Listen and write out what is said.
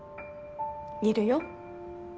いるよ。